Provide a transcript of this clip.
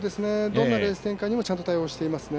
どんなレース展開にもちゃんと対応していますね。